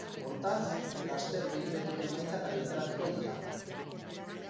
Hortaz, laster behin betiko emaitzak argitaratuko dira.